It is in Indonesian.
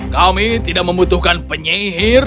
kami tidak membutuhkan penyihir